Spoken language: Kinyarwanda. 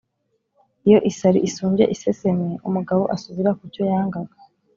Iyo isari isumbye iseseme, umugabo asubira ku cyo yangaga.